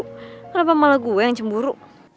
kenapa malah gue yang cemburu